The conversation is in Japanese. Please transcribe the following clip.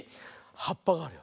はっぱがあるよ。